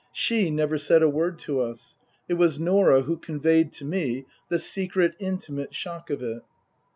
She never said a word to us. It was Norah who conveyed to me the secret, intimate shock of it.